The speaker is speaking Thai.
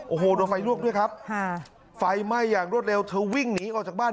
โอ้โหโดนไฟลวกด้วยครับค่ะไฟไหม้อย่างรวดเร็วเธอวิ่งหนีออกจากบ้าน